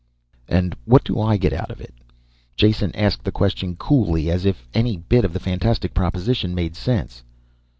"And what do I get out of it?" Jason asked the question coolly, as if any bit of the fantastic proposition made sense.